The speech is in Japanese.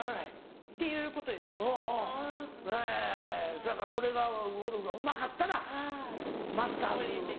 そやから俺がゴルフがうまかったらマスターズ。